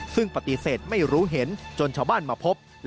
ซึ่งปฏิเสธไม่รู้เห็นจนชาวบ้านมาพบ